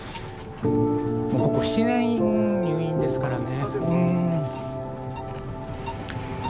もうここ７年入院ですからね。